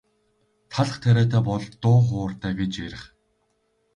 Талх тариатай бол дуу хууртай гэж ярих.